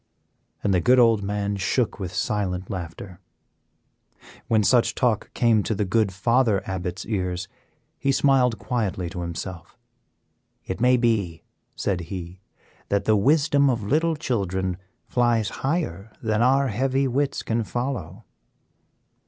and the good old man shook with silent laughter. When such talk came to the good Father Abbot's ears, he smiled quietly to himself. "It may be," said he, "that the wisdom of little children flies higher than our heavy wits can follow."